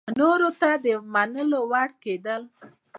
نورو ته د منلو وړ کېدل